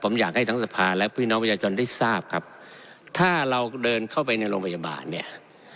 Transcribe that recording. ผมอยากให้ทั้งสภาและพี่น้องประชาชนได้ทราบครับถ้าเราเดินเข้าไปในโรงพยาบาลเนี่ย